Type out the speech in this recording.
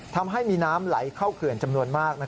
ทำให้มีน้ำไหลเข้าเขื่อนจำนวนมาก